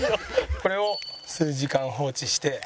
これを数時間放置して。